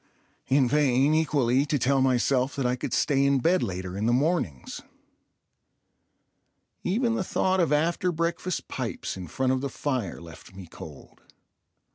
In vain, equally, to tell myself that I could stay in bed later in the mornings. Even the thought of after breakfast pipes in front of the fire left me cold.